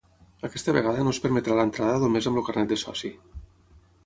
Aquesta vegada no es permetrà l’entrada només amb el carnet de soci.